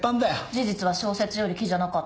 事実は小説より奇じゃなかった。